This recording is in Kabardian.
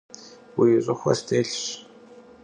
Vui ş'ıxue stêlhş.